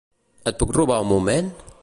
Et puc robar un moment?